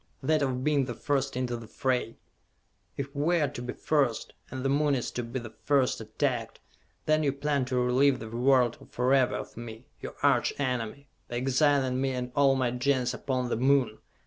that of being the first into the fray! If we are to be first, and the Moon is to be the first attacked, then you plan to relieve the world forever of me, your arch enemy, by exiling me and all my Gens upon the Moon!